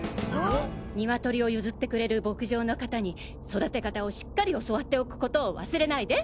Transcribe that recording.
ニワトリを譲ってくれる牧場の方に育て方をしっかり教わっておくことを忘れないで！